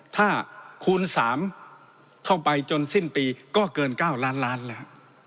ถ้าคูณ๓เข้าไปจนสิ้นปีก็เกิน๙ล้านล้านแล้ว